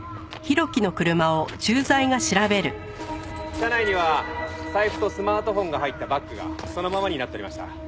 車内には財布とスマートフォンが入ったバッグがそのままになっとりました。